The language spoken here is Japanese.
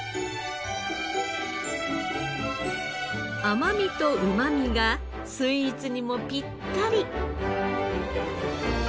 甘みとうまみがスイーツにもピッタリ。